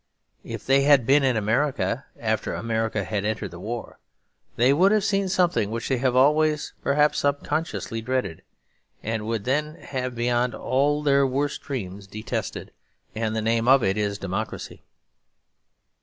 If they had been in America, after America had entered the war, they would have seen something which they have always perhaps subconsciously dreaded, and would then have beyond all their worst dreams detested; and the name of it is democracy.